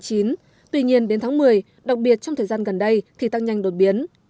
tuy nhiên đến tháng một mươi đặc biệt trong thời gian gần đây thì tăng nhanh đột biến